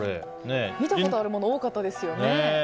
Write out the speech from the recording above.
見たことあるもの多かったですよね。